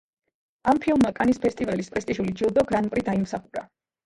ამ ფილმმა კანის ფესტივალის პრესტიჟული ჯილდო „გრან-პრი“ დაიმსახურა.